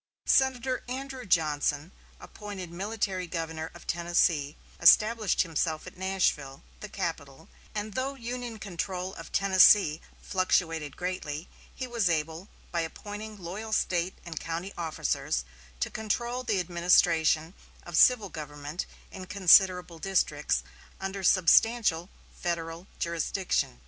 Senator Andrew Johnson, appointed military governor of Tennessee, established himself at Nashville, the capital, and, though Union control of Tennessee fluctuated greatly, he was able, by appointing loyal State and county officers, to control the administration of civil government in considerable districts, under substantial Federal jurisdiction.